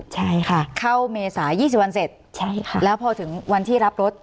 ใช่ค่ะเข้าเมษา๒๐วันเสร็จแล้วพอถึงวันที่รับรถ